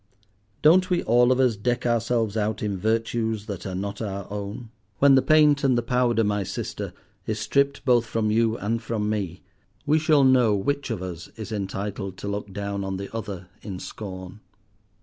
Don't we all of us deck ourselves out in virtues that are not our own? When the paint and the powder, my sister, is stripped both from you and from me, we shall know which of us is entitled to look down on the other in scorn.